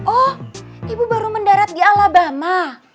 oh ibu baru mendarat di alabama